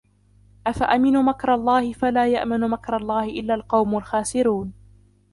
أفأمنوا مكر الله فلا يأمن مكر الله إلا القوم الخاسرون